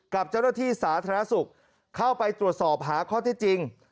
กับเจ้าหน้าที่สาธารณสุขเข้าไปตรวจสอบหาข้อที่จริง